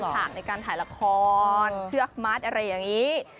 เป็นภาพในการถ่ายละครเสือกมั๊ดอะไรอย่างนี้